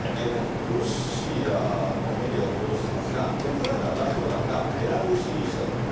ロシアのメディアが報道してますが、ウクライナの代表団がベラルーシ入りしたと。